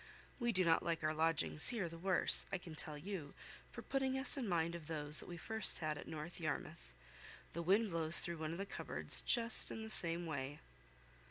We do not like our lodgings here the worse, I can tell you, for putting us in mind of those we first had at North Yarmouth. The wind blows through one of the cupboards just in the same way."